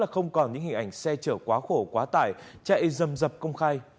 không còn những hình ảnh xe chở quá khổ quá tải chạy dầm dập công khai